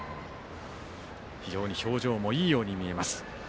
非常に表情もいいように見えます。